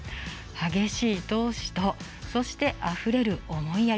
激しい闘志とあふれる思いやり。